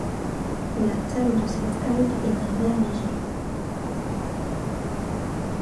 Le thalle de cette algue est d'un vert léger.